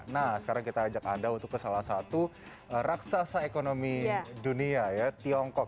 nah sekarang kita ajak anda untuk ke salah satu raksasa ekonomi dunia ya tiongkok